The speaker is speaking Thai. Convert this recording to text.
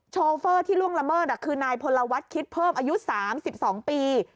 โชเฟอร์ที่ล่วงละเมิดคือนายพลวัฒน์คิดเพิ่มอายุ๓๒ปี